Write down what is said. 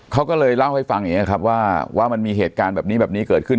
เขาก็เลยเล่าให้ฟังอย่างนี้ครับว่ามันมีเหตุการณ์แบบนี้แบบนี้เกิดขึ้น